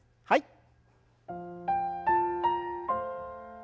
はい。